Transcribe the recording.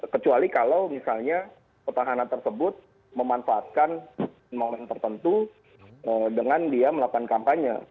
kecuali kalau misalnya petahana tersebut memanfaatkan momen tertentu dengan dia melakukan kampanye